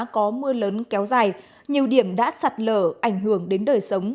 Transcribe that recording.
có mưa lớn kéo dài nhiều điểm đã sạt lở ảnh hưởng đến đời sống